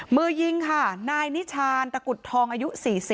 มือยิงค่ะนายนิชานตะกุดทองอายุ๔๐